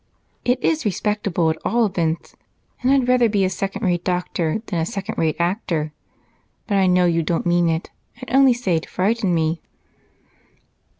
"It is respectable, at all events, and I'd rather be a second rate doctor than a second rate actor. But I know you don't mean it, and only say so to frighten me."